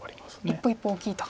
一歩一歩大きいと。